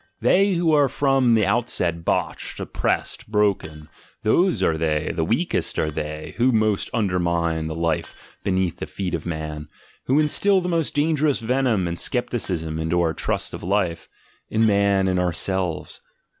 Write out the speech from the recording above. They who are from the outset botched, oppressed, broken, those are they, the weakest are they, who most under mine the life beneath the feet of man, who instil the most dangerous venom and scepticism into our trust in life, in mr.n, in ourselves.